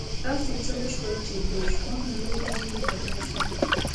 داسې څه وشول چې د ژوند لوری يې بدل شو.